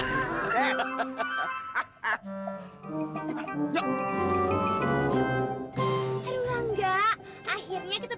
aduh rangga akhirnya kita berangkat juga